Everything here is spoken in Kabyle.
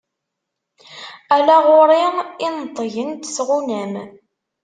Ala ɣur-i i neṭṭgent tɣunam.